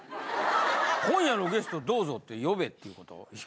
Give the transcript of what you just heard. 今夜のゲストどうぞって呼べっていうこと？